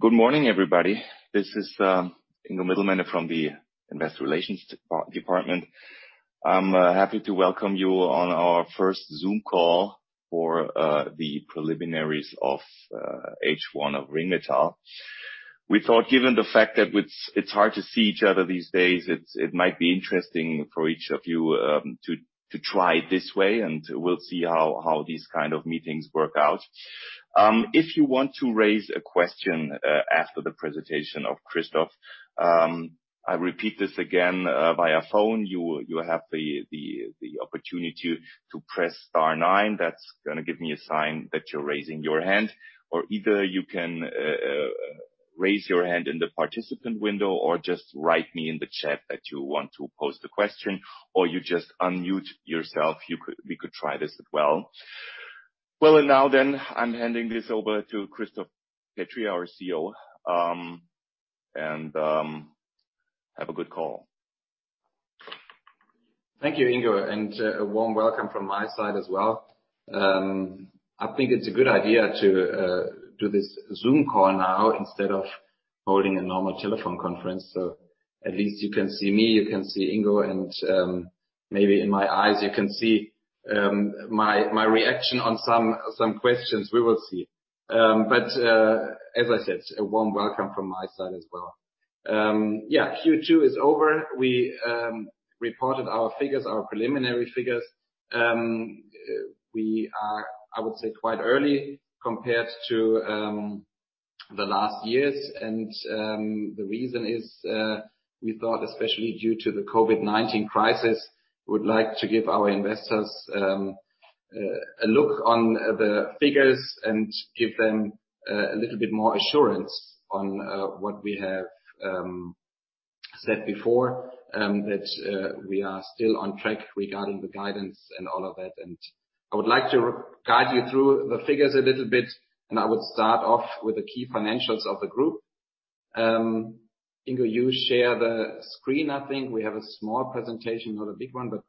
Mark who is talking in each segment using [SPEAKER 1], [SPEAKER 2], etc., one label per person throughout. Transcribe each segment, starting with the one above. [SPEAKER 1] Good morning, everybody. This is Ingo Middelmenne from the Investor Relations department. I'm happy to welcome you on our first Zoom call for the preliminaries of H1 of Ringmetall. We thought, given the fact that it's hard to see each other these days, it might be interesting for each of you to try it this way, and we'll see how these kind of meetings work out. If you want to raise a question after the presentation of Christoph, I repeat this again, via phone, you have the opportunity to press star nine. That's going to give me a sign that you're raising your hand. Either you can raise your hand in the participant window or just write me in the chat that you want to pose the question, or you just unmute yourself. We could try this as well. Well, I'm handing this over to Christoph Petri, our CEO, and have a good call.
[SPEAKER 2] Thank you, Ingo, and a warm welcome from my side as well. I think it's a good idea to do this Zoom call now instead of holding a normal telephone conference. At least you can see me, you can see Ingo, and maybe in my eyes, you can see my reaction on some questions. We will see. As I said, a warm welcome from my side as well. Yeah. Q2 is over. We reported our figures, our preliminary figures. We are, I would say, quite early compared to the last years. The reason is, we thought, especially due to the COVID-19 crisis, we would like to give our investors a look on the figures and give them a little bit more assurance on what we have said before, that we are still on track regarding the guidance and all of that. I would like to guide you through the figures a little bit, I would start off with the key financials of the group. Ingo, you share the screen, I think. We have a small presentation, not a big one, but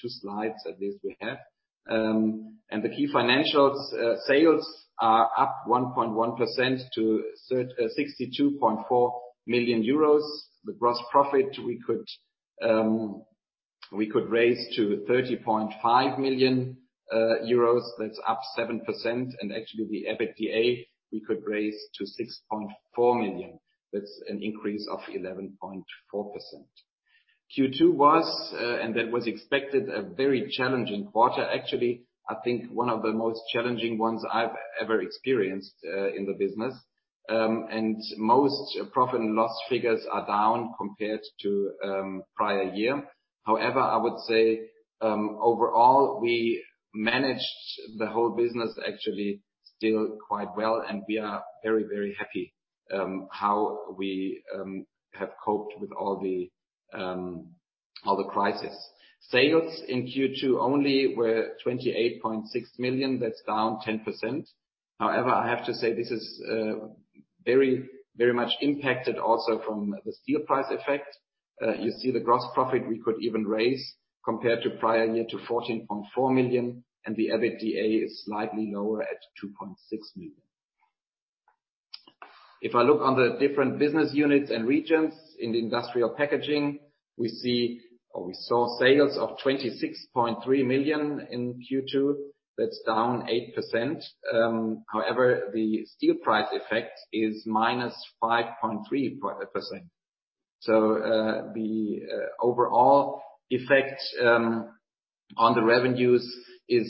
[SPEAKER 2] two slides at least we have. The key financials, sales are up 1.1% to 62.4 million euros. The gross profit, we could raise to 30.5 million euros. That's up 7%. Actually, the EBITDA, we could raise to 6.4 million. That's an increase of 11.4%. Q2 was, and that was expected, a very challenging quarter. Actually, I think one of the most challenging ones I've ever experienced in the business. Most profit and loss figures are down compared to prior year. However, I would say, overall, we managed the whole business actually still quite well, and we are very happy how we have coped with all the crisis. Sales in Q2 only were 28.6 million. That's down 10%. I have to say this is very much impacted also from the steel price effect. You see the gross profit we could even raise compared to prior year to 14.4 million, the EBITDA is slightly lower at 2.6 million. If I look on the different business units and regions in the industrial packaging, we saw sales of 26.3 million in Q2. That's down 8%. The steel price effect is -5.3%. The overall effect on the revenues is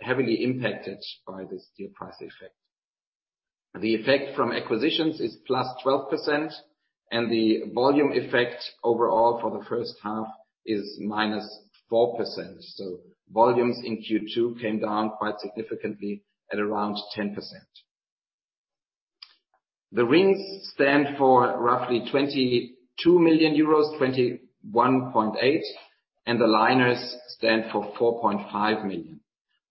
[SPEAKER 2] heavily impacted by this steel price effect. The effect from acquisitions is +12%, the volume effect overall for the first half is -4%. Volumes in Q2 came down quite significantly at around 10%. The rings stand for roughly 22 million euros, 21.8 million, the liners stand for 4.5 million.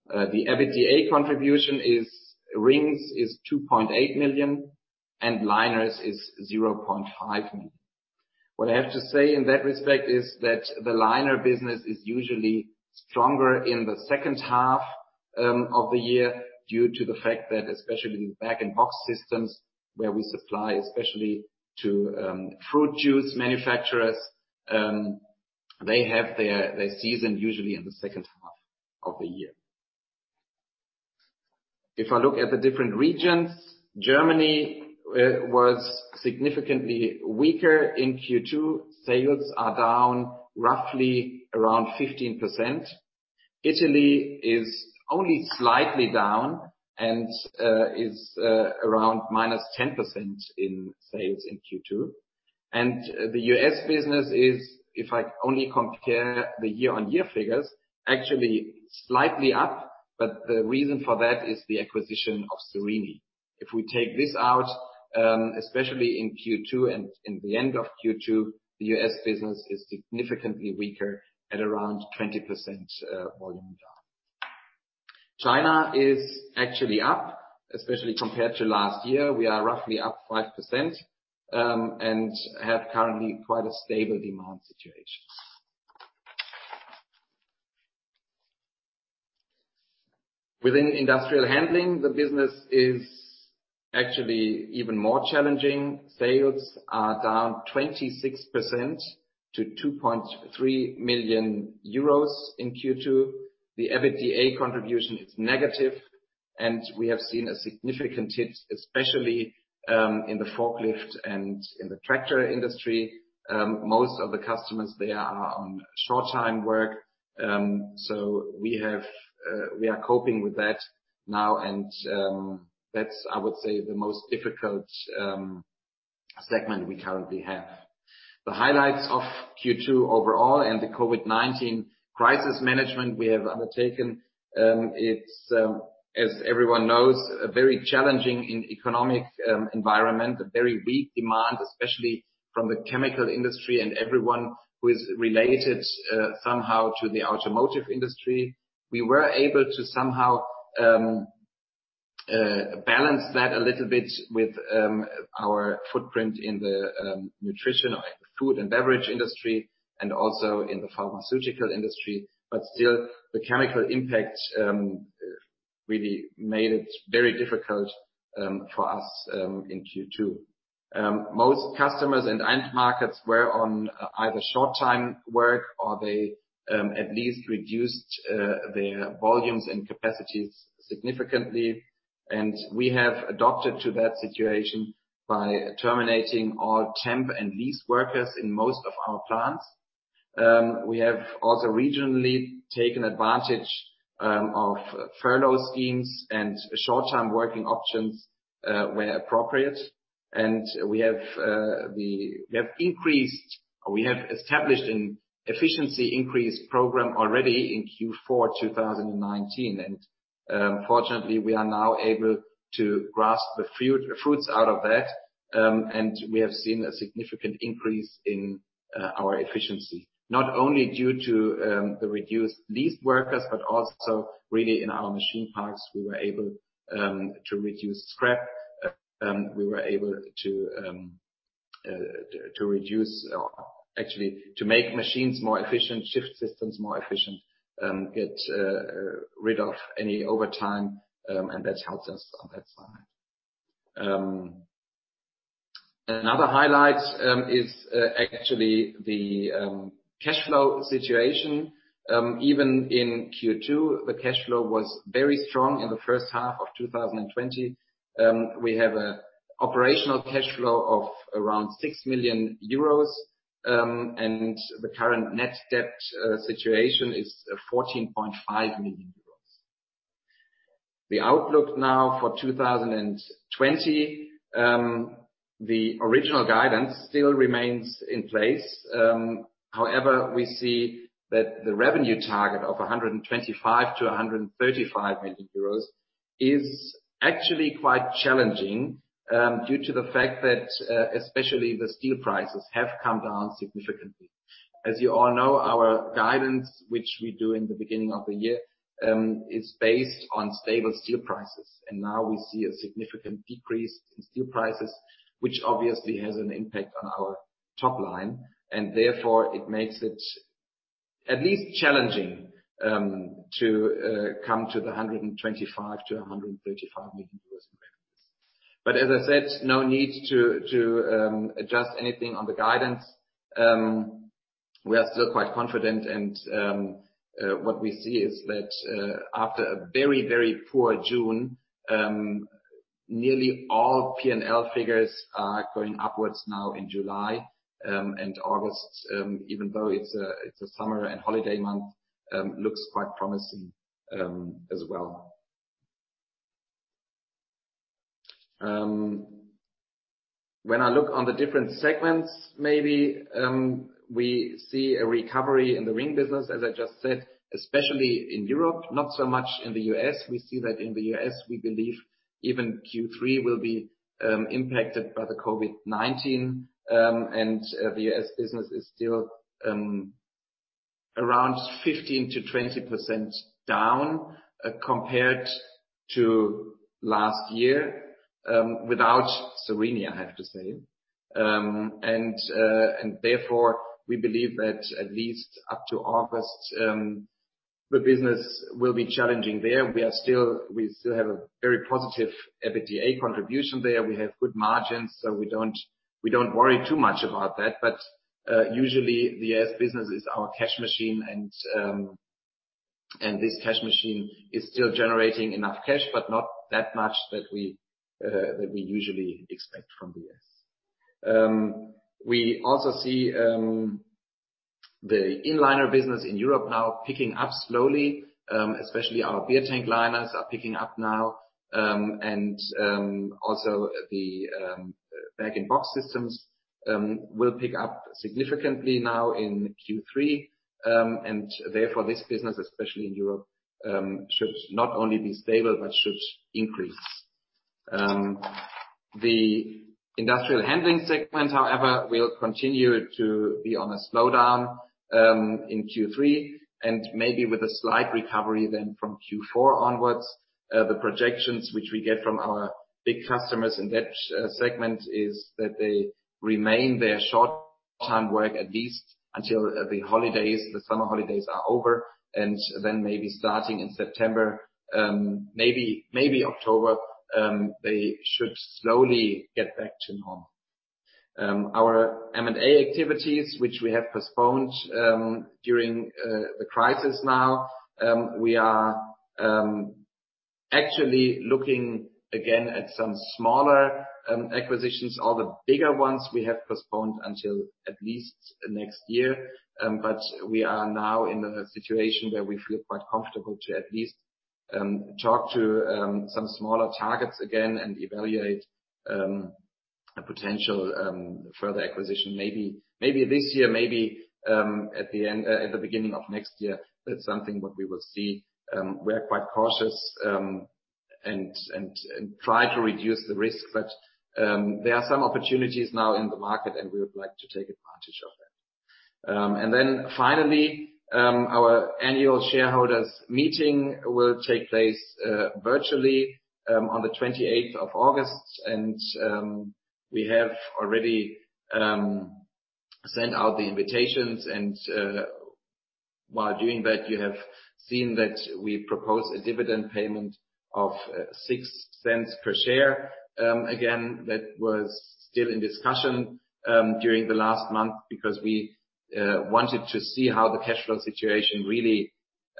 [SPEAKER 2] The EBITDA contribution is, rings is 2.8 million and liners is 0.5 million. What I have to say in that respect is that the liner business is usually stronger in the second half of the year due to the fact that especially in bag-in-box systems where we supply, especially to fruit juice manufacturers, they have their season usually in the second half of the year. If I look at the different regions, Germany was significantly weaker in Q2. Sales are down roughly around 15%. Italy is only slightly down and is around -10% in sales in Q2. The U.S. business is, if I only compare the year-on-year figures, actually slightly up, but the reason for that is the acquisition of Sorini. If we take this out, especially in Q2 and in the end of Q2, the U.S. business is significantly weaker at around 20% volume down. China is actually up, especially compared to last year. We are roughly up 5%, and have currently quite a stable demand situation. Within industrial handling, the business is actually even more challenging. Sales are down 26% to 2.3 million euros in Q2. The EBITDA contribution is negative, and we have seen a significant hit, especially in the forklift and in the tractor industry. Most of the customers there are on short-time work. We are coping with that now, and that's, I would say, the most difficult segment we currently have. The highlights of Q2 overall and the COVID-19 crisis management we have undertaken, it's, as everyone knows, very challenging in economic environment, a very weak demand, especially from the chemical industry and everyone who is related somehow to the automotive industry. We were able to somehow balance that a little bit with our footprint in the nutrition or in the food and beverage industry and also in the pharmaceutical industry. Still, the chemical impact, really made it very difficult for us in Q2. Most customers and end markets were on either short-time work or they at least reduced their volumes and capacities significantly. We have adapted to that situation by terminating all temp and lease workers in most of our plants. We have also regionally taken advantage of furlough schemes and short-time working options where appropriate. We have established an efficiency increase program already in Q4 2019, and fortunately, we are now able to grasp the fruits out of that. We have seen a significant increase in our efficiency, not only due to the reduced lease workers, but also really in our machine parks, we were able to reduce scrap. We were able to make machines more efficient, shift systems more efficient, get rid of any overtime, and that helps us on that side. Another highlight is actually the cash flow situation. Even in Q2, the cash flow was very strong in the first half of 2020. We have an operational cash flow of around 6 million euros, and the current net debt situation is 14.5 million euros. The outlook now for 2020. The original guidance still remains in place. However, we see that the revenue target of 125 million-135 million euros is actually quite challenging due to the fact that especially the steel prices have come down significantly. As you all know, our guidance, which we do in the beginning of the year, is based on stable steel prices. Now we see a significant decrease in steel prices, which obviously has an impact on our top line, and therefore it makes it at least challenging to come to the 125 million-135 million euros in revenues. As I said, no need to adjust anything on the guidance. We are still quite confident, and what we see is that after a very, very poor June, nearly all P&L figures are going upwards now in July and August, even though it's a summer and holiday month, looks quite promising as well. When I look on the different segments, maybe, we see a recovery in the ring business, as I just said, especially in Europe, not so much in the U.S. We see that in the U.S., we believe even Q3 will be impacted by the COVID-19. The U.S. business is still around 15%-20% down compared to last year, without Sorini, I have to say. Therefore, we believe that at least up to August, the business will be challenging there. We still have a very positive EBITDA contribution there. We have good margins, so we don't worry too much about that. Usually, the U.S. business is our cash machine, and this cash machine is still generating enough cash, but not that much that we usually expect from the U.S. We also see the inliner business in Europe now picking up slowly, especially our beer tank liners are picking up now. Also the bag-in-box systems will pick up significantly now in Q3. Therefore this business, especially in Europe, should not only be stable but should increase. The industrial handling segment, however, will continue to be on a slowdown in Q3 and maybe with a slight recovery then from Q4 onwards. The projections which we get from our big customers in that segment is that they remain there short-time work at least until the summer holidays are over, and then maybe starting in September, maybe October, they should slowly get back to normal. Our M&A activities, which we have postponed during the crisis now, we are actually looking again at some smaller acquisitions. All the bigger ones we have postponed until at least next year. We are now in a situation where we feel quite comfortable to at least talk to some smaller targets again and evaluate a potential further acquisition. Maybe this year, maybe at the beginning of next year. That's something what we will see. We are quite cautious and try to reduce the risk. There are some opportunities now in the market, and we would like to take advantage of that. Finally, our annual shareholders meeting will take place virtually on the 28th of August. We have already sent out the invitations. While doing that, you have seen that we propose a dividend payment of 0.06 per share. Again, that was still in discussion during the last month because we wanted to see how the cash flow situation really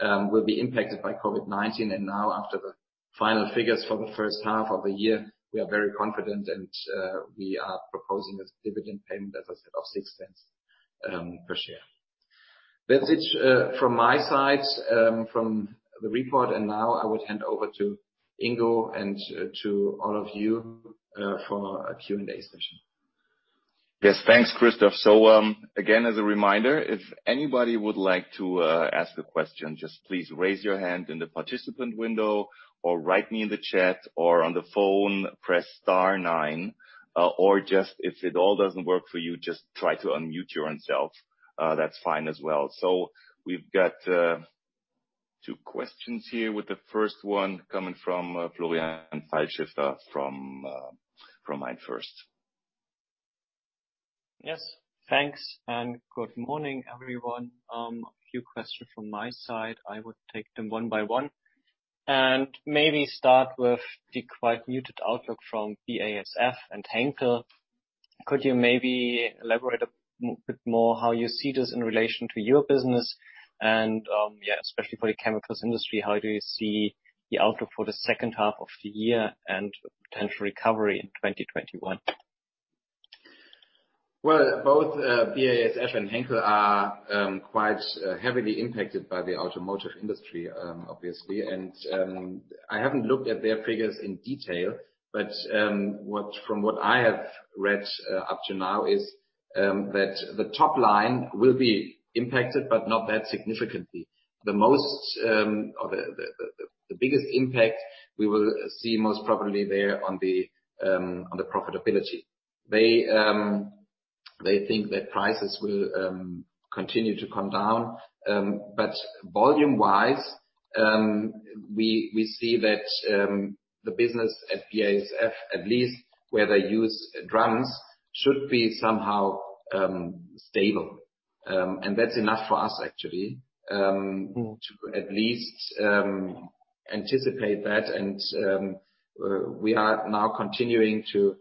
[SPEAKER 2] will be impacted by COVID-19. Now after the final figures for the first half of the year, we are very confident and we are proposing a dividend payment, as I said, of 0.06 per share. That's it from my side from the report. Now I would hand over to Ingo and to all of you for our Q&A session.
[SPEAKER 1] Yes. Thanks, Christoph. Again, as a reminder, if anybody would like to ask a question, just please raise your hand in the participant window or write me in the chat or on the phone, press star nine. If it all doesn't work for you, just try to unmute your own self. That's fine as well. We've got two questions here with the first one coming from Florian Pfeilschifter from MainFirst.
[SPEAKER 3] Yes. Thanks and good morning, everyone. A few questions from my side. I would take them one by one and maybe start with the quite muted outlook from BASF and Henkel. Could you maybe elaborate a bit more how you see this in relation to your business and, especially for the chemicals industry, how do you see the outlook for the second half of the year and potential recovery in 2021?
[SPEAKER 2] Well, both BASF and Henkel are quite heavily impacted by the automotive industry, obviously. I haven't looked at their figures in detail, but from what I have read up to now is that the top line will be impacted, but not that significantly. The biggest impact we will see most probably there on the profitability. They think that prices will continue to come down. Volume-wise, we see that the business at BASF, at least where they use drums, should be somehow stable. That's enough for us, actually, to at least anticipate that. We are now continuing to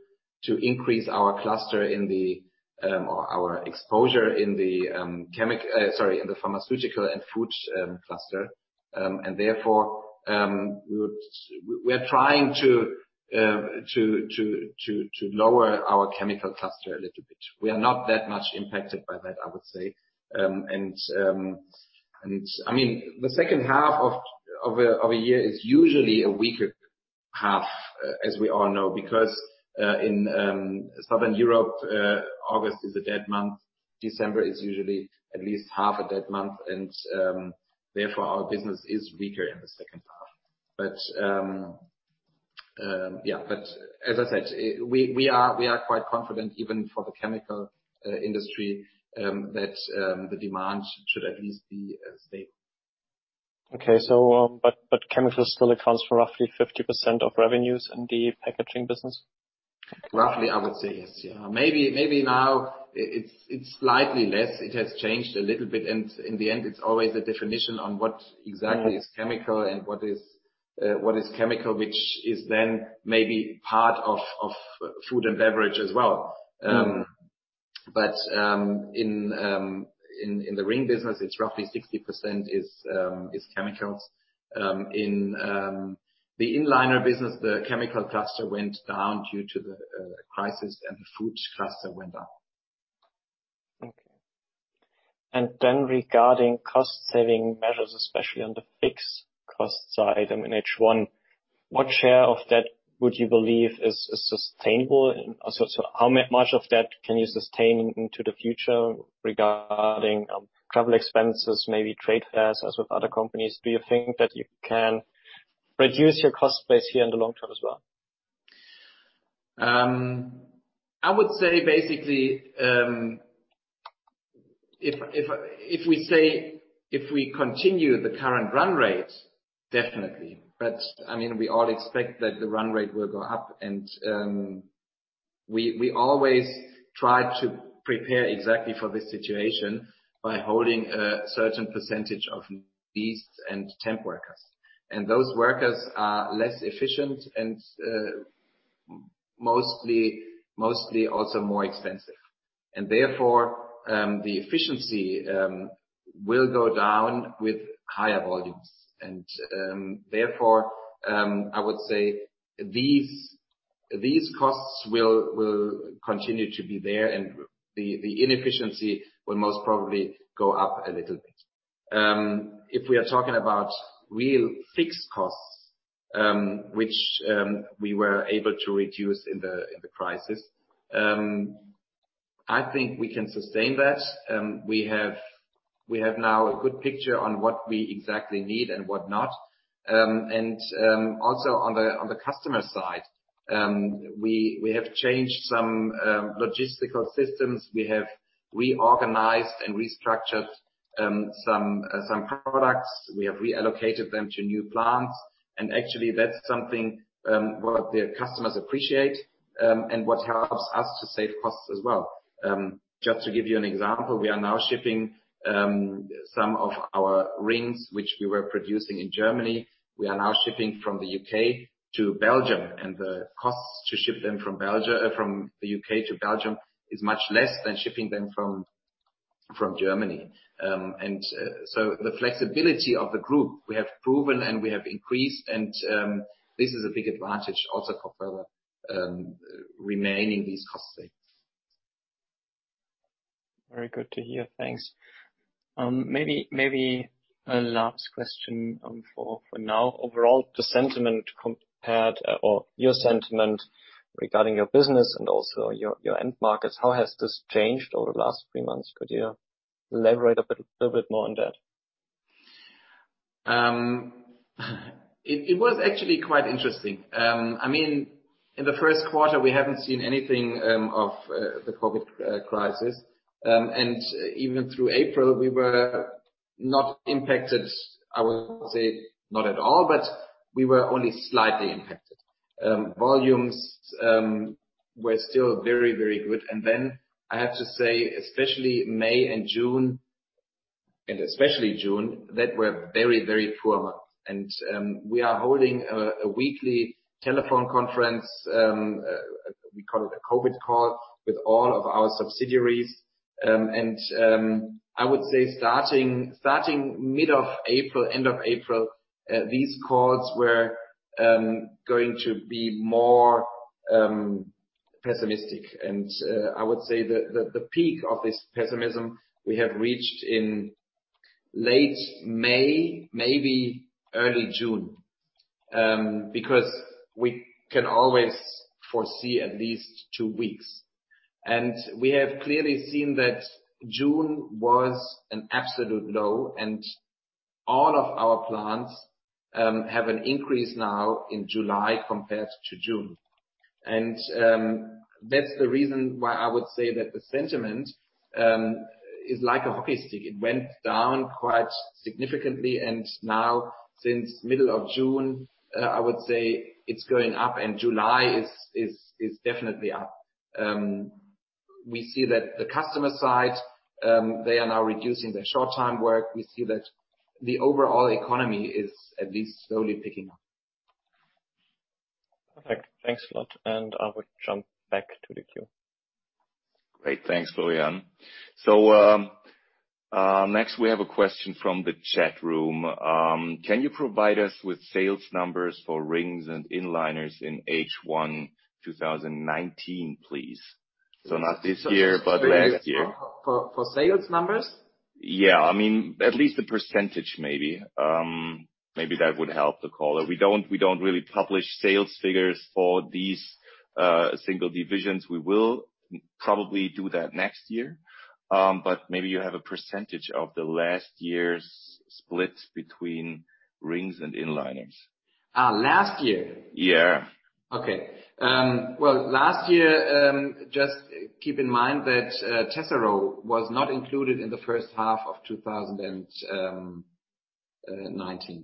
[SPEAKER 2] increase our cluster or our exposure in the pharmaceutical and food cluster. Therefore, we are trying to lower our chemical cluster a little bit. We are not that much impacted by that, I would say. I mean, the second half of a year is usually a weaker half, as we all know, because in Southern Europe, August is a dead month. December is usually at least half a dead month. Therefore our business is weaker in the second half. As I said, we are quite confident even for the chemical industry that the demand should at least be stable.
[SPEAKER 3] Okay. Chemical still accounts for roughly 50% of revenues in the packaging business?
[SPEAKER 2] Roughly, I would say yes. Maybe now it's slightly less. It has changed a little bit. In the end it's always a definition on what exactly is chemical and what is chemical, which is then maybe part of food and beverage as well. In the ring business, it's roughly 60% is chemicals. In the inliner business, the chemical cluster went down due to the crisis and the food cluster went up.
[SPEAKER 3] Okay. Regarding cost-saving measures, especially on the fixed cost side in H1, what share of that would you believe is sustainable? How much of that can you sustain into the future regarding travel expenses, maybe trade fairs as with other companies? Do you think that you can reduce your cost base here in the long term as well?
[SPEAKER 2] I would say, if we continue the current run rate, definitely. We all expect that the run rate will go up, and we always try to prepare exactly for this situation by holding a certain percentage of these and temp workers. Those workers are less efficient and mostly also more expensive. Therefore, the efficiency will go down with higher volumes. Therefore, I would say these costs will continue to be there and the inefficiency will most probably go up a little bit. If we are talking about real fixed costs, which we were able to reduce in the crisis, I think we can sustain that. We have now a good picture on what we exactly need and what not. Also on the customer side, we have changed some logistical systems. We have reorganized and restructured some products. We have reallocated them to new plants. Actually, that's something what the customers appreciate, and what helps us to save costs as well. Just to give you an example, we are now shipping some of our rings, which we were producing in Germany. We are now shipping from the U.K. to Belgium, and the costs to ship them from the U.K. to Belgium is much less than shipping them from Germany. The flexibility of the group, we have proven and we have increased and this is a big advantage also for further remaining these cost saves.
[SPEAKER 3] Very good to hear. Thanks. Maybe a last question for now. Overall, your sentiment regarding your business and also your end markets, how has this changed over the last three months? Could you elaborate a little bit more on that?
[SPEAKER 2] It was actually quite interesting. In the first quarter, we haven't seen anything of the COVID crisis. Even through April, we were not impacted, I would say not at all, but we were only slightly impacted. Volumes were still very, very good. Then I have to say, especially May and June, and especially June, that were very, very poor months. We are holding a weekly telephone conference, we call it a COVID call, with all of our subsidiaries. I would say starting mid of April, end of April, these calls were going to be more pessimistic. I would say the peak of this pessimism we have reached in late May, maybe early June, because we can always foresee at least two weeks. We have clearly seen that June was an absolute low and all of our plants have an increase now in July compared to June. That's the reason why I would say that the sentiment is like a hockey stick. It went down quite significantly and now since middle of June, I would say it's going up and July is definitely up. We see that the customer side, they are now reducing their short time work. We see that the overall economy is at least slowly picking up.
[SPEAKER 3] Perfect. Thanks a lot. I would jump back to the queue.
[SPEAKER 1] Great. Thanks, Florian. Next we have a question from the chat room. Can you provide us with sales numbers for rings and inliners in H1 2019, please? Not this year, but last year.
[SPEAKER 2] For sales numbers?
[SPEAKER 1] Yeah. At least the percentage, maybe. Maybe that would help the caller. We don't really publish sales figures for these single divisions. We will probably do that next year. Maybe you have a percentage of the last year's splits between rings and inliners.
[SPEAKER 2] Last year?
[SPEAKER 1] Yeah.
[SPEAKER 2] Okay. Well, last year, just keep in mind that Tesseraux was not included in the first half of 2019.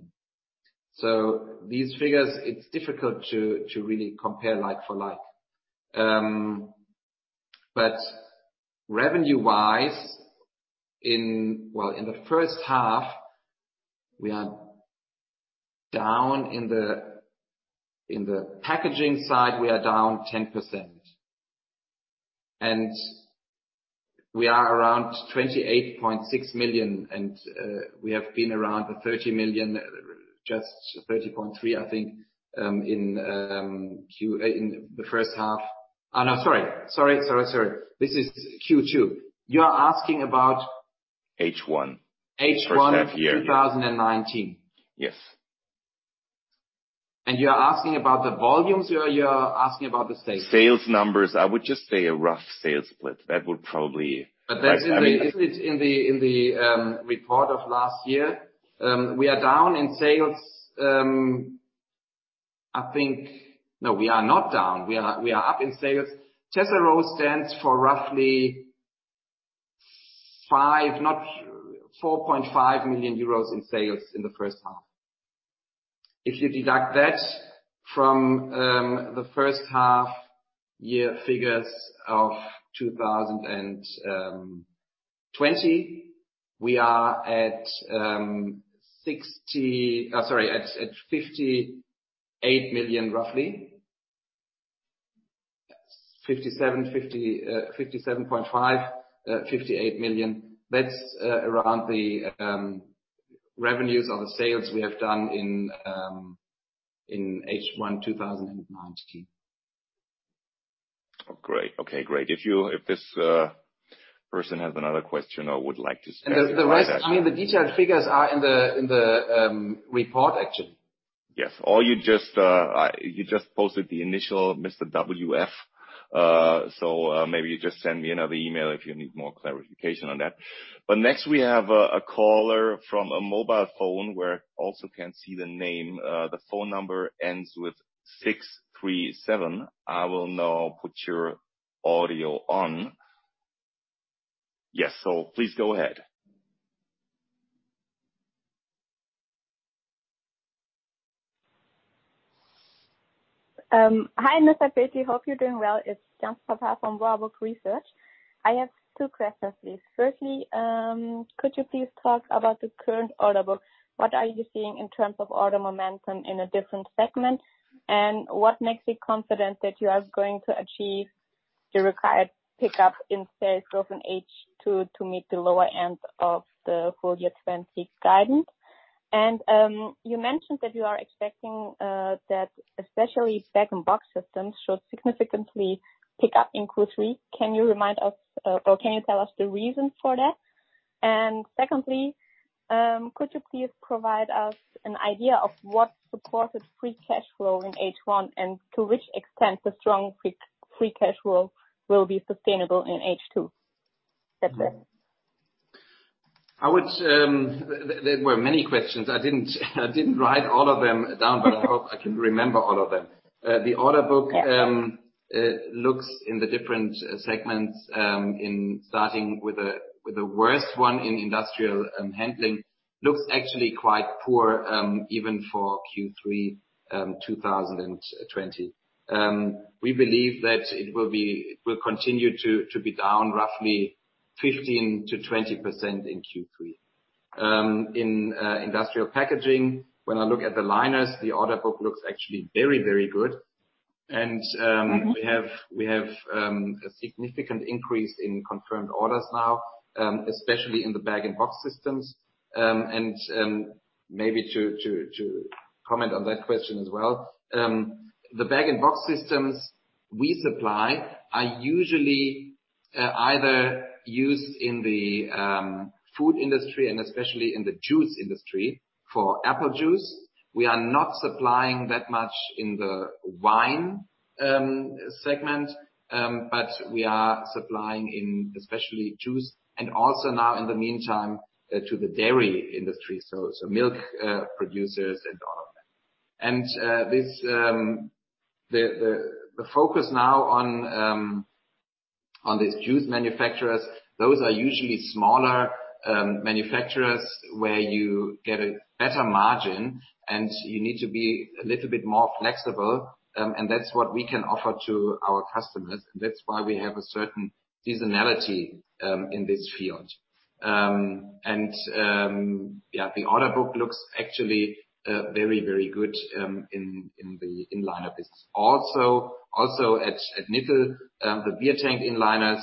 [SPEAKER 2] These figures, it's difficult to really compare like for like. Revenue-wise, in the first half, in the packaging side, we are down 10%. We are around 28.6 million and we have been around 30 million, just 30.3 million, I think, in the first half. No, sorry. This is Q2. You are asking about?
[SPEAKER 1] H1.
[SPEAKER 2] H1?
[SPEAKER 1] First half year.
[SPEAKER 2] 2019.
[SPEAKER 1] Yes.
[SPEAKER 2] You are asking about the volumes or you are asking about the sales?
[SPEAKER 1] Sales numbers. I would just say a rough sales split. That would probably.
[SPEAKER 2] That's in the report of last year. We are down in sales. I think, no, we are not down. We are up in sales. Tesseraux stands for roughly 4.5 million euros in sales in the first half. If you deduct that from the first half-year figures of 2020, we are at 58 million, roughly. 57.5, 58 million. That's around the revenues or the sales we have done in H1 2019.
[SPEAKER 1] Okay, great. If this person has another question or would like to specify that.
[SPEAKER 2] The detailed figures are in the report, actually.
[SPEAKER 1] Yes. You just posted the initial, Mr. WF, so maybe you just send me another email if you need more clarification on that. Next we have a caller from a mobile phone where I also can't see the name. The phone number ends with 637. I will now put your audio on. Yes, please go ahead.
[SPEAKER 4] Hi, Mr. Petri. Hope you're doing well. It's Cansu Tatar from Warburg Research. I have two questions, please. Firstly, could you please talk about the current order book? What are you seeing in terms of order momentum in a different segment? What makes you confident that you are going to achieve the required pickup in sales of H2 to meet the lower end of the full year 2020 guidance? You mentioned that you are expecting that especially bag-in-box systems should significantly pick up in Q3. Can you remind us, or can you tell us the reason for that? Secondly, could you please provide us an idea of what supported free cash flow in H1 and to which extent the strong free cash flow will be sustainable in H2? That's it.
[SPEAKER 2] There were many questions. I didn't write all of them down, but I hope I can remember all of them. The order book looks in the different segments, starting with the worst one in industrial handling, looks actually quite poor, even for Q3 2020. We believe that it will continue to be down roughly 15%-20% in Q3. In industrial packaging, when I look at the liners, the order book looks actually very, very good. We have a significant increase in confirmed orders now, especially in the bag-in-box systems. Maybe to comment on that question as well. The bag-in-box systems we supply are usually either used in the food industry and especially in the juice industry for apple juice. We are not supplying that much in the wine segment, but we are supplying in especially juice and also now in the meantime to the dairy industry, so milk producers and all of that. The focus now on these juice manufacturers, those are usually smaller manufacturers where you get a better margin and you need to be a little bit more flexible, and that's what we can offer to our customers. That's why we have a certain seasonality in this field. Yeah, the order book looks actually very, very good in the inliner business. Also at Nittel, the beer tank liners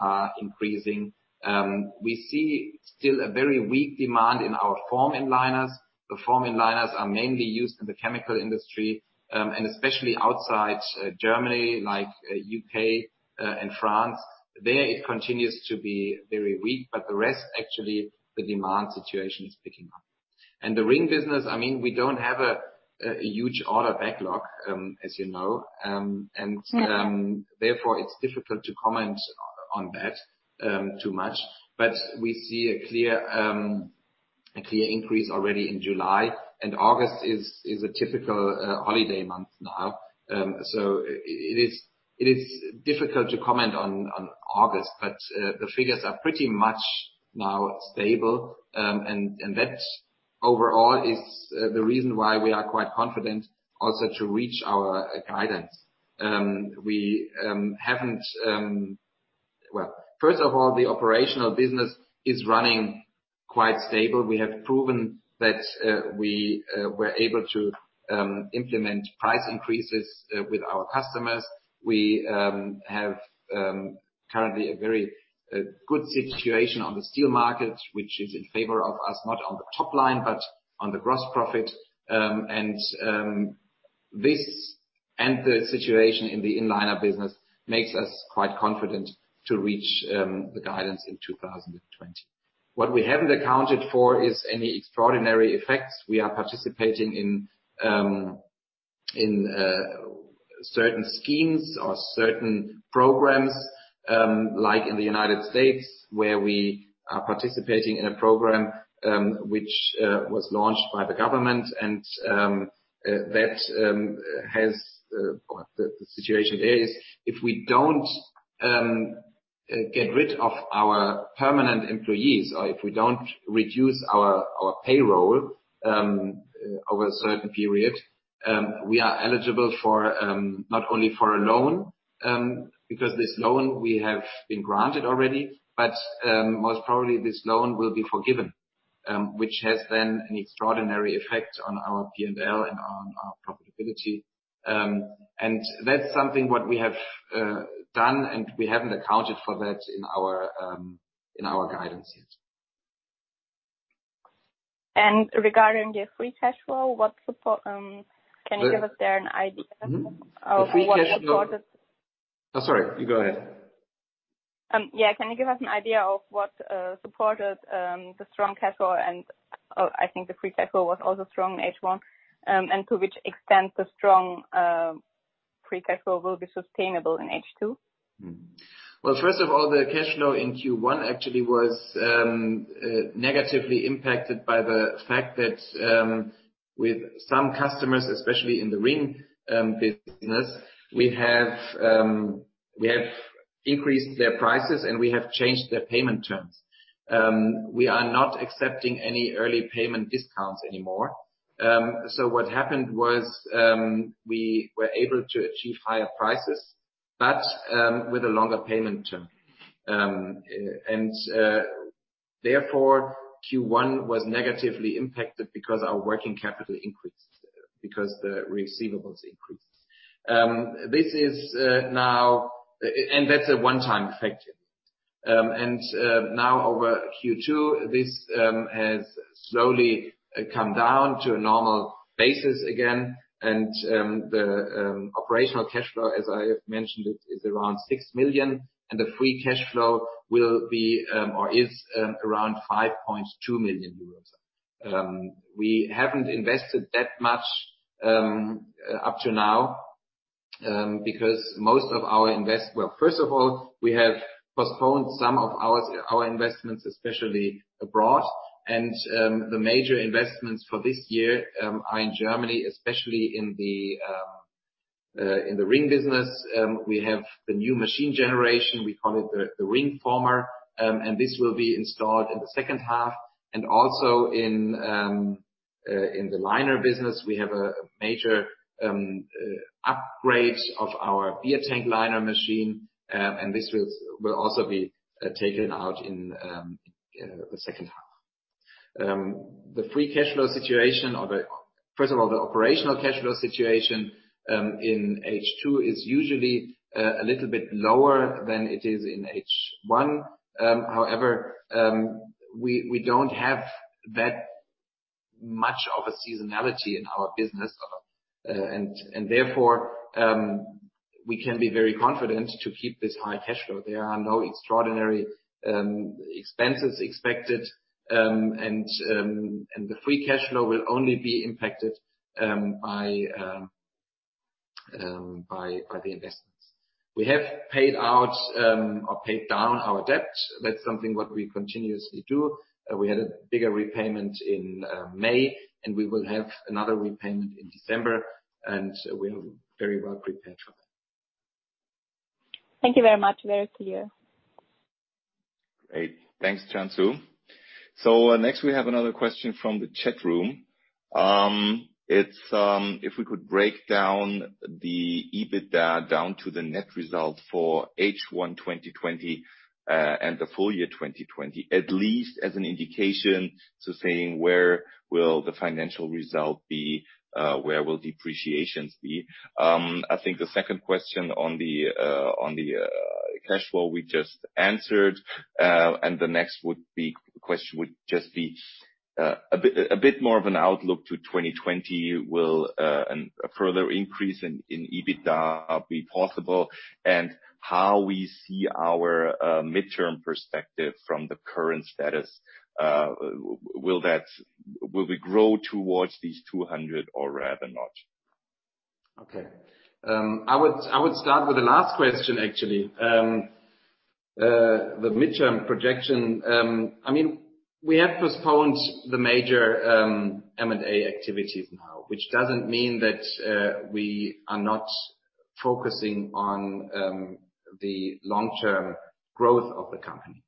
[SPEAKER 2] are increasing. We see still a very weak demand in our form inliners. The form inliners are mainly used in the chemical industry, and especially outside Germany like U.K. and France. There it continues to be very weak, the rest actually, the demand situation is picking up. The Ringmetall business, we don't have a huge order backlog, as you know. Therefore it's difficult to comment on that too much. We see a clear increase already in July. August is a typical holiday month now. It is difficult to comment on August, but the figures are pretty much now stable. That overall is the reason why we are quite confident also to reach our guidance. First of all, the operational business is running quite stable. We have proven that we were able to implement price increases with our customers. We have currently a very good situation on the steel market, which is in favor of us, not on the top line, but on the gross profit. The situation in the inliner business makes us quite confident to reach the guidance in 2020. What we haven't accounted for is any extraordinary effects we are participating in certain schemes or certain programs, like in the U.S., where we are participating in a program which was launched by the government. The situation there is, if we don't get rid of our permanent employees, or if we don't reduce our payroll over a certain period, we are eligible not only for a loan, because this loan we have been granted already, but most probably this loan will be forgiven, which has then an extraordinary effect on our P&L and on our profitability. That's something what we have done, we haven't accounted for that in our guidance yet.
[SPEAKER 4] Regarding your free cash flow, can you give us there an idea of what supported?
[SPEAKER 2] Oh, sorry. You go ahead.
[SPEAKER 4] Yeah. Can you give us an idea of what supported the strong cash flow and, I think the free cash flow was also strong in H1, and to which extent the strong free cash flow will be sustainable in H2?
[SPEAKER 2] Well, first of all, the cash flow in Q1 actually was negatively impacted by the fact that with some customers, especially in the ring business, we have increased their prices and we have changed their payment terms. We are not accepting any early payment discounts anymore. What happened was, we were able to achieve higher prices, but with a longer payment term. Therefore, Q1 was negatively impacted because our working capital increased, because the receivables increased. That's a one-time effect. Now over Q2, this has slowly come down to a normal basis again, and the operational cash flow, as I have mentioned it, is around 6 million, and the free cash flow will be, or is around 5.2 million euros. We haven't invested that much up to now, because most of our, well, first of all, we have postponed some of our investments, especially abroad. The major investments for this year are in Germany, especially in the ring business. We have the new machine generation, we call it the ring former. This will be installed in the second half. Also in the liner business, we have a major upgrade of our beer tank liner machine. This will also be taken out in the second half. First of all, the operational cash flow situation in H2 is usually a little bit lower than it is in H1. However, we don't have that much of a seasonality in our business. Therefore, we can be very confident to keep this high cash flow. There are no extraordinary expenses expected. The free cash flow will only be impacted by the investments. We have paid out or paid down our debt. That's something what we continuously do. We had a bigger repayment in May, and we will have another repayment in December, and we are very well prepared for that.
[SPEAKER 4] Thank you very much. Back to you.
[SPEAKER 1] Great. Thanks, Cansu. Next we have another question from the chat room. If we could break down the EBITDA down to the net result for H1 2020 and the full year 2020, at least as an indication to saying where will the financial result be, where will depreciations be? I think the second question on the cash flow we just answered. The next question would just be a bit more of an outlook to 2020. Will a further increase in EBITDA be possible? How we see our midterm perspective from the current status. Will we grow towards these 200 or rather not?
[SPEAKER 2] Okay. I would start with the last question, actually. The midterm projection. We have postponed the major M&A activities now, which doesn't mean that we are not focusing on the long-term growth of the company.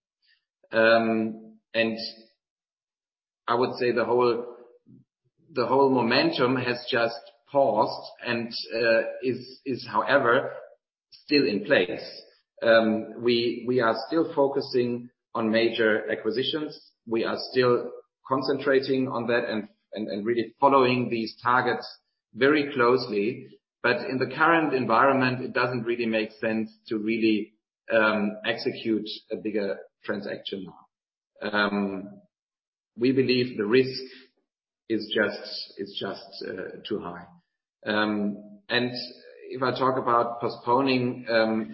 [SPEAKER 2] I would say the whole momentum has just paused and is however, still in place. We are still focusing on major acquisitions. We are still concentrating on that and really following these targets very closely. In the current environment, it doesn't really make sense to really execute a bigger transaction now. We believe the risk is just too high. If I talk about postponing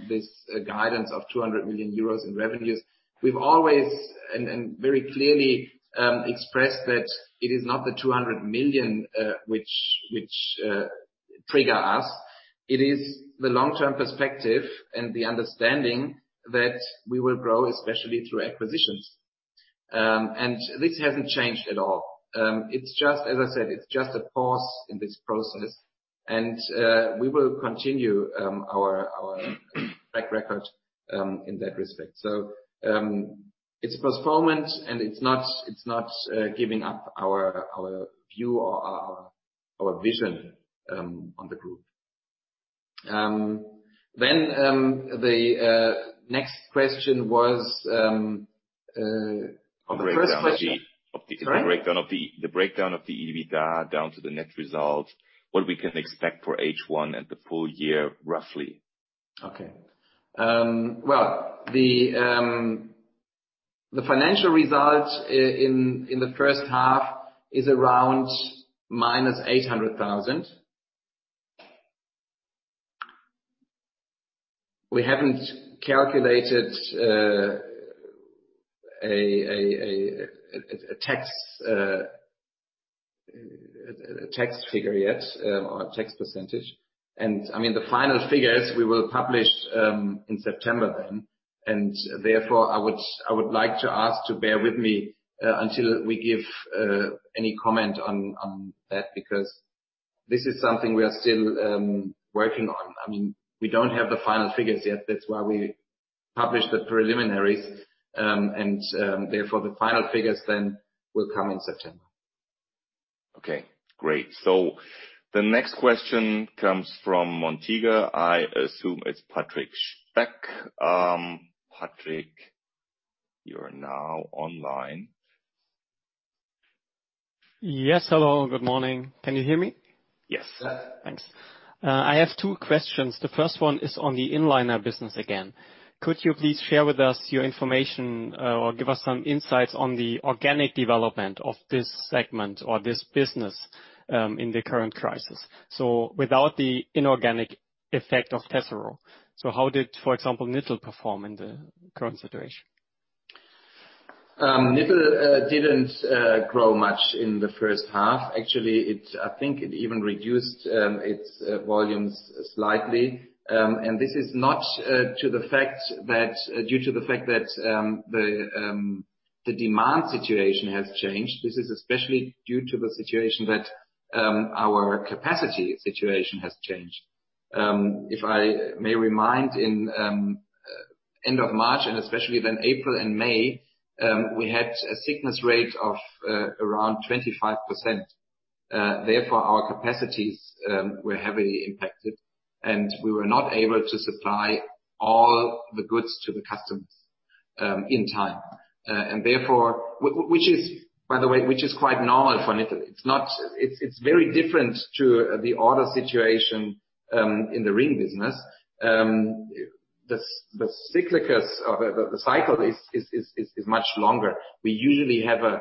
[SPEAKER 2] this guidance of 200 million euros in revenues, we've always and very clearly expressed that it is not the 200 million which trigger us. It is the long-term perspective and the understanding that we will grow, especially through acquisitions. This hasn't changed at all. As I said, it's just a pause in this process and we will continue our track record in that respect. It's a postponement and it's not giving up our view or our vision on the group. The next question was.
[SPEAKER 1] Of the first question.
[SPEAKER 2] Sorry?
[SPEAKER 1] The breakdown of the EBITDA down to the net result, what we can expect for H1 and the full year, roughly.
[SPEAKER 2] Okay. Well, the financial results in the first half is around -800,000. We haven't calculated a tax figure yet, or a tax percentage. The final figures we will publish in September then, therefore, I would like to ask to bear with me until we give any comment on that, because this is something we are still working on. We don't have the final figures yet. That's why we published the preliminaries, therefore, the final figures then will come in September.
[SPEAKER 1] Okay, great. The next question comes from Montega. I assume it's Patrick Speck. Patrick, you're now online.
[SPEAKER 5] Yes. Hello, good morning. Can you hear me?
[SPEAKER 1] Yes.
[SPEAKER 5] Thanks. I have two questions. The first one is on the inliner business again. Could you please share with us your information, or give us some insights on the organic development of this segment or this business, in the current crisis? Without the inorganic effect of Tesseraux. How did, for example, Nittel perform in the current situation?
[SPEAKER 2] Nittel didn't grow much in the first half. Actually, I think it even reduced its volumes slightly. This is not due to the fact that the demand situation has changed. This is especially due to the situation that our capacity situation has changed. If I may remind, in end of March and especially then April and May, we had a sickness rate of around 25%. Therefore, our capacities were heavily impacted, and we were not able to supply all the goods to the customers in time. By the way, which is quite normal for Nittel. It's very different to the order situation in the Ring business. The cycle is much longer. We usually have a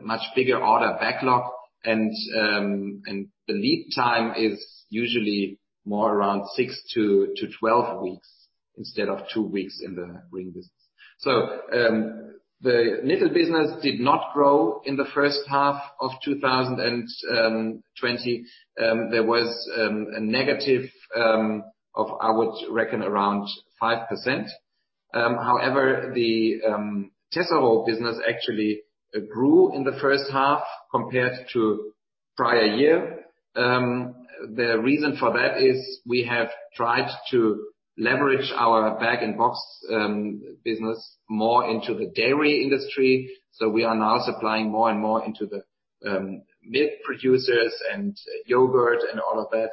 [SPEAKER 2] much bigger order backlog and the lead time is usually more around 6-12 weeks instead of two weeks in the Ring business. The Nittel business did not grow in the first half of 2020. There was a negative of, I would reckon around 5%. The Tesseraux business actually grew in the first half compared to prior year. The reason for that is we have tried to leverage our bag-in-box business more into the dairy industry. We are now supplying more and more into the milk producers and yogurt and all of that.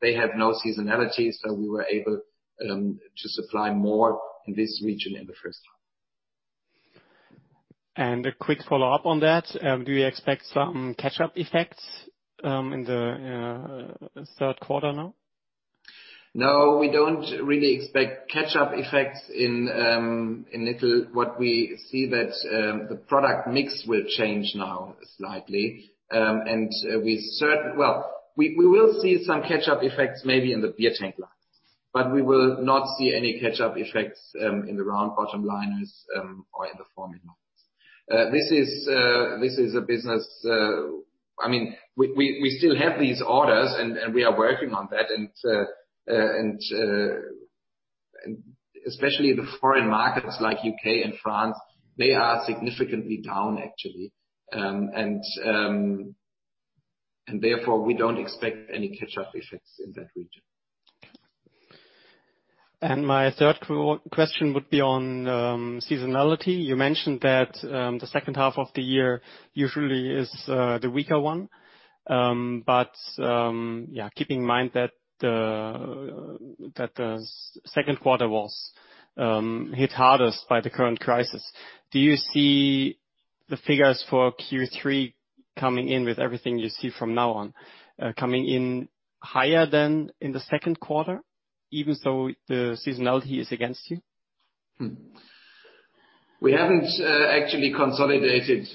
[SPEAKER 2] They have no seasonality, so we were able to supply more in this region in the first half.
[SPEAKER 5] A quick follow-up on that. Do you expect some catch-up effects in the third quarter now?
[SPEAKER 2] No, we don't really expect catch-up effects in Nittel. What we see that the product mix will change now slightly. Well, we will see some catch-up effects maybe in the beer tank liners, but we will not see any catch-up effects in the round bottom liners or in the form inliners. We still have these orders and we are working on that and especially the foreign markets like U.K. and France, they are significantly down actually. Therefore, we don't expect any catch-up effects in that region.
[SPEAKER 5] My third question would be on seasonality. You mentioned that the second half of the year usually is the weaker one. Keeping in mind that the second quarter was hit hardest by the current crisis, do you see the figures for Q3 coming in with everything you see from now on, coming in higher than in the second quarter, even though the seasonality is against you?
[SPEAKER 2] We haven't actually consolidated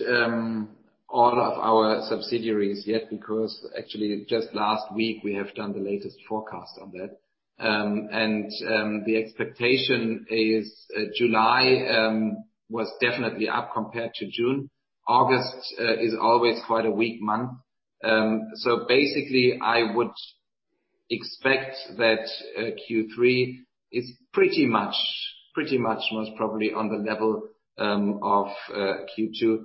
[SPEAKER 2] all of our subsidiaries yet because actually just last week we have done the latest forecast on that. The expectation is July was definitely up compared to June. August is always quite a weak month. Basically, I would expect that Q3 is pretty much most probably on the level of Q2,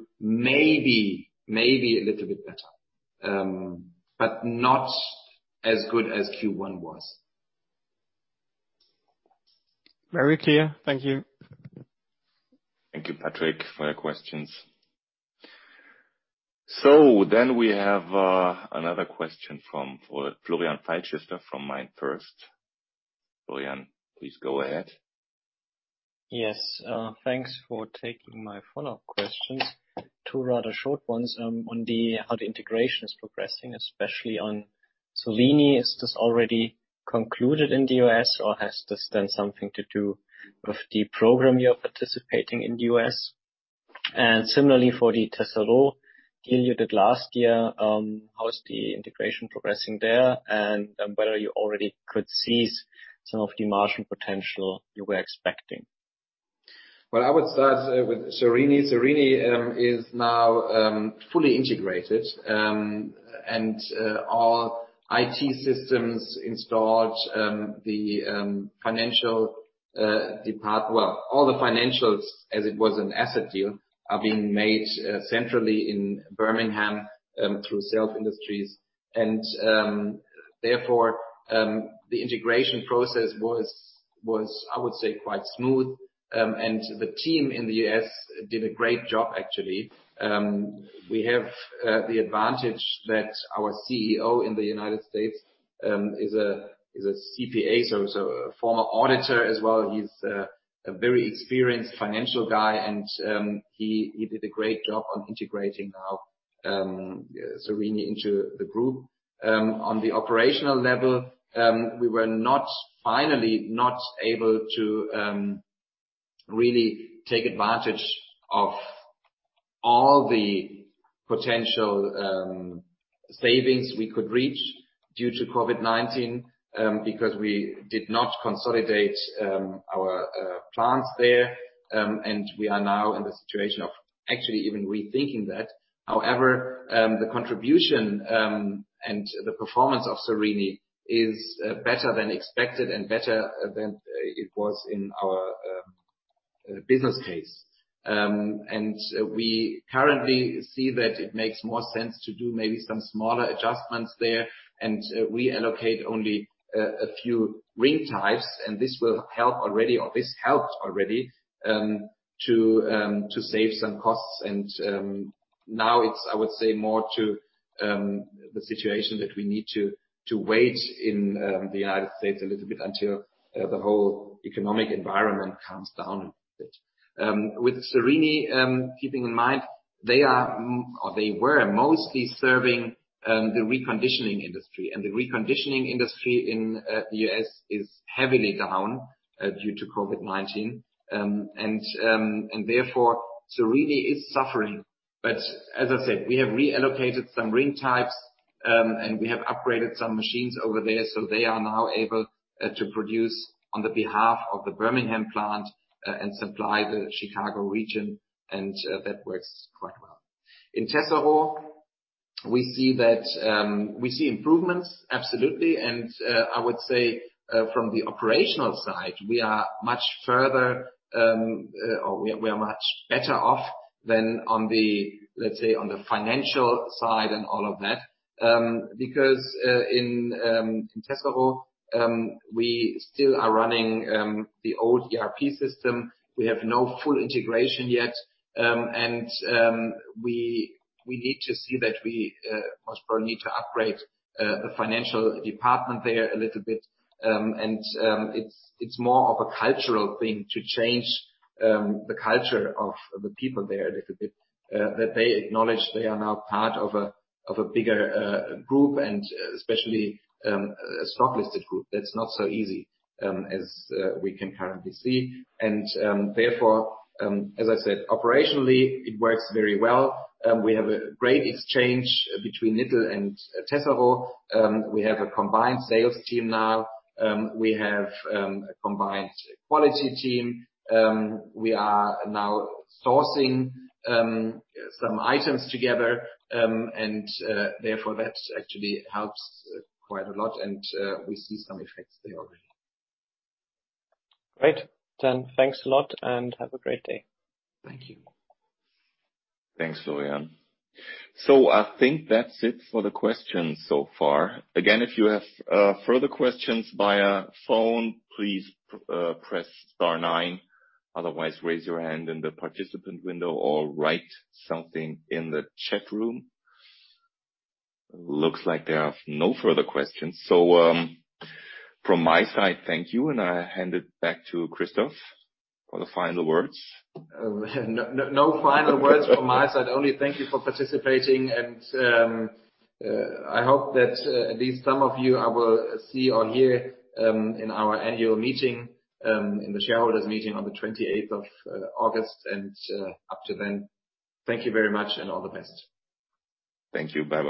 [SPEAKER 2] maybe a little bit better, but not as good as Q1 was.
[SPEAKER 5] Very clear. Thank you.
[SPEAKER 1] Thank you, Patrick, for your questions. We have another question from Florian Pfeilschifter from MainFirst. Florian, please go ahead.
[SPEAKER 3] Yes. Thanks for taking my follow-up questions. Two rather short ones on how the integration is progressing, especially on Sorini. Is this already concluded in the U.S., or has this then something to do with the program you're participating in the U.S.? Similarly for the Tesseraux deal you did last year, how is the integration progressing there, and whether you already could seize some of the margin potential you were expecting?
[SPEAKER 2] Well, I would start with Sorini. Sorini is now fully integrated, and all IT systems installed, well, all the financials, as it was an asset deal, are being made centrally in Birmingham through Self Industries. Therefore, the integration process was, I would say, quite smooth. The team in the U.S. did a great job, actually. We have the advantage that our CEO in the U.S. is a CPA, so a former auditor as well. He's a very experienced financial guy, and he did a great job on integrating now Sorini into the group. On the operational level, we were finally not able to really take advantage of all the potential savings we could reach due to COVID-19, because we did not consolidate our plants there. We are now in the situation of actually even rethinking that. However, the contribution and the performance of Sorini is better than expected and better than it was in our business case. We currently see that it makes more sense to do maybe some smaller adjustments there, and reallocate only a few ring types, and this will help already or this helped already to save some costs. Now it's, I would say, more to the situation that we need to wait in the United States a little bit until the whole economic environment calms down a bit. With Sorini, keeping in mind, they were mostly serving the reconditioning industry, and the reconditioning industry in the U.S. is heavily down due to COVID-19. Therefore, Sorini is suffering. As I said, we have reallocated some ring types, and we have upgraded some machines over there, so they are now able to produce on the behalf of the Birmingham plant and supply the Chicago region, and that works quite well. In Tesseraux, we see improvements, absolutely. I would say from the operational side, we are much further or we are much better off than, let's say, on the financial side and all of that. In Tesseraux, we still are running the old ERP system. We have no full integration yet. We need to see that we most probably need to upgrade the financial department there a little bit. It's more of a cultural thing to change the culture of the people there a little bit, that they acknowledge they are now part of a bigger group and especially a stock-listed group. That's not so easy as we can currently see. Therefore, as I said, operationally, it works very well. We have a great exchange between Nittel and Tesseraux. We have a combined sales team now. We have a combined quality team. We are now sourcing some items together. Therefore, that actually helps quite a lot, and we see some effects there already.
[SPEAKER 3] Great. Thanks a lot and have a great day.
[SPEAKER 2] Thank you.
[SPEAKER 1] Thanks, Florian. I think that's it for the questions so far. Again, if you have further questions via phone, please press star nine. Raise your hand in the participant window or write something in the chat room. Looks like there are no further questions. From my side, thank you. I hand it back to Christoph for the final words.
[SPEAKER 2] No final words from my side, only thank you for participating. I hope that at least some of you I will see or hear in our annual meeting, in the shareholders meeting on the 28th August. Up till then, thank you very much and all the best.
[SPEAKER 1] Thank you. Bye-bye.